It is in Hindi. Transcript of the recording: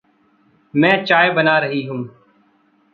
मैं चाय बना रही हूँ।